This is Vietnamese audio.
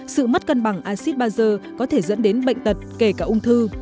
sự mất cân bằng acid ba ger có thể dẫn đến bệnh tật kể cả ung thư